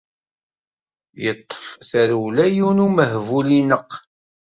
Yeṭṭef tarewla yiwen umehbul ineqq.